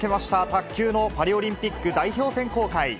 卓球のパリオリンピック代表選考会。